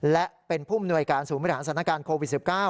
และเป็นผู้มนวยการศูนย์บริหารสถานการณ์โควิด๑๙